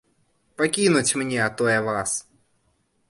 Пакінуць мне, а то я вас!